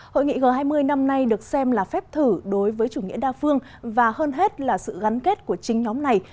hội nghị g hai mươi năm nay được xem là phép thử đối với chủ nghĩa đa phương và hơn hết là sự gắn kết của chính nhóm này